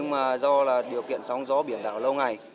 mà do là điều kiện sóng gió biển đảo lâu ngày